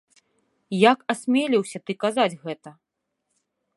Як асмеліўся ты казаць гэта?